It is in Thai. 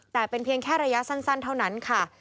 แต่เป็นเพียงแค่ระยะสั้นเท่านั้นค่ะ